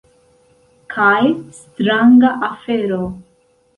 Kaj stranga afero.